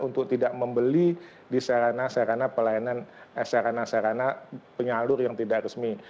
untuk tidak membeli di serana serana penyalur yang tidak resmi